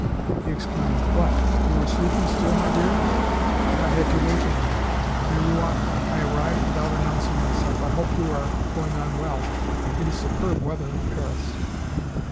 He exclaimed: "What? You were sleeping still, my dear! And I had to awaken you. There you are! I arrived without announcing myself. I hope you are going on well. It is superb weather in Paris."